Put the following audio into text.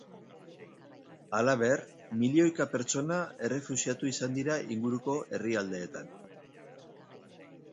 Halaber, milioika pertsona errefuxiatu izan dira inguruko herrialdeetan.